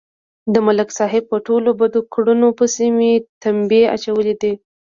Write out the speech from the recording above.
د ملک صاحب په ټولو بدو کړنو پسې مې تمبې اچولې دي